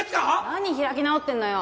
何開き直ってんのよ！